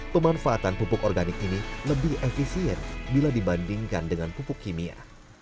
pemanfaatan pupuk organik ini lebih efisien bila dibandingkan dengan pupuk kimia